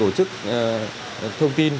để tổ chức thông tin liên lạc